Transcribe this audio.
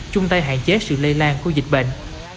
chung tay hạn chế sự lây lan của dịch bệnh